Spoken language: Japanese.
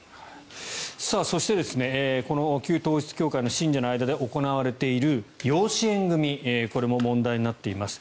そして、旧統一教会の信者の間で行われている養子縁組これも問題になっています。